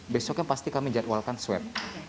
besoknya pasti kami jadwalkan swab